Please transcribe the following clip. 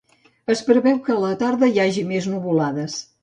Es preveu que a la tarda hi hagi més nuvolades.